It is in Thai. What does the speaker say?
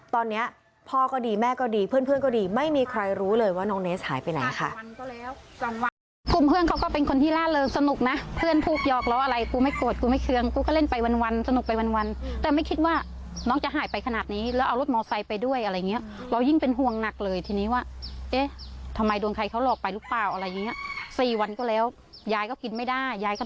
ตอนนี้พ่อก็ดีแม่ก็ดีเพื่อนก็ดีไม่มีใครรู้เลยว่าน้องเนสหายไปไหนค่ะ